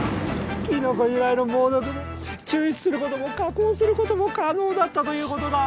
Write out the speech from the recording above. キノコ由来の猛毒を抽出することも加工することも可能だったということだ。